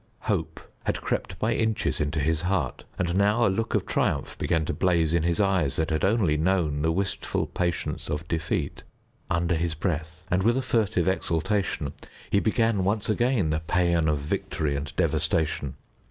Hope had crept by inches into his heart, and now a look of triumph began to blaze in his eyes that had only known the wistful patience of defeat. Under his breath, with a furtive exultation, he began once again the paean of victory and devastation.